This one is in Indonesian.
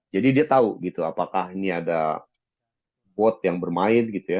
jadi dia tahu gitu apakah ini ada bot yang bermain gitu ya